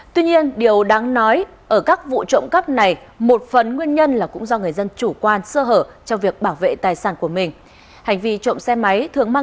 tuy nhiên điều đáng nói ở các vụ trộm cắp này một phần nguyên nhân là cũng do người dân chủ